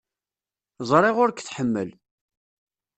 Ẓriɣ ur k-tḥemmel.